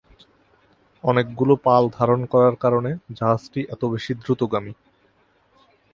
অনেকগুলো পাল ধারণ করার কারণে জাহাজটি এতো বেশি দ্রুতগামী।